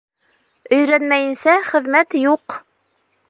Өйрәнмәйенсә хеҙмәт юҡ